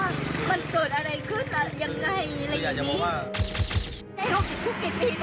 สวัสดีครับ